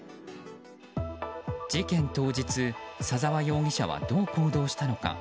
事件当日、左沢容疑者はどう行動したのか。